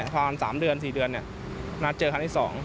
ประมาณ๓๔เดือนนี่นัดเจอคันที่๒